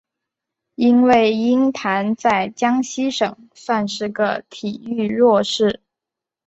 因为鹰潭在江西省算是个体育弱市。